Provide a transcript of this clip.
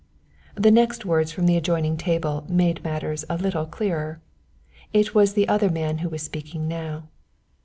The next words from the adjoining table made matters a little clearer. It was the other man who was speaking now.